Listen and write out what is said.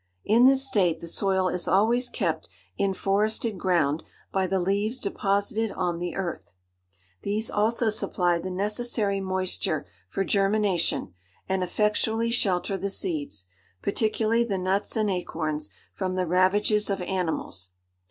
In this state the soil is always kept in forested ground by the leaves deposited on the earth. These also supply the necessary moisture for germination, and effectually shelter the seeds, particularly the nuts and acorns, from the ravages of animals.